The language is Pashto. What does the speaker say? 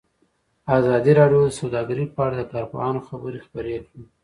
ازادي راډیو د سوداګري په اړه د کارپوهانو خبرې خپرې کړي.